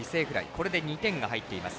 これで２点が入っています。